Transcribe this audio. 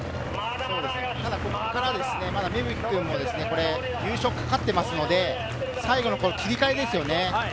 ただ芽吹君も優勝がかかっていますので、最後の切り替えですよね。